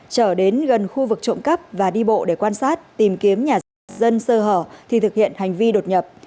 trở đến gần khu vực trộm cắp và đi bộ để quan sát tìm kiếm nhà dân sơ hở thì thực hiện hành vi đột nhập